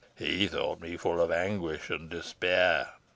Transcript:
He thought me full of anguish and despair.